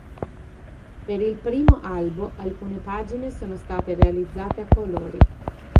Per il primo albo alcune pagine sono state realizzate a colori.